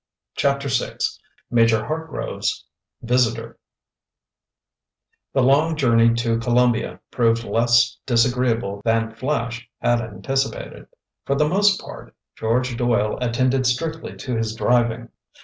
CHAPTER VI MAJOR HARTGROVE'S VISITOR The long journey to Columbia proved less disagreeable than Flash had anticipated. For the most part, George Doyle attended strictly to his driving.